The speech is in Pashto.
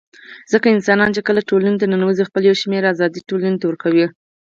ځکه انسانان چي کله ټولني ته ننوزي خپل يو شمېر آزادۍ ټولني ته ورکوي